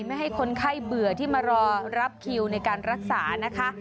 ไม่ให้คนไข้เบื่อที่มารอรับคิวในการรักษานะคะ